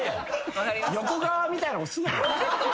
横川みたいなことすな。